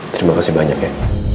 terima kasih banyak ya